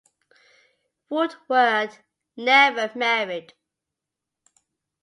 Woodward never married.